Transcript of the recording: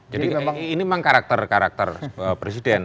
jadi ini memang karakter karakter presiden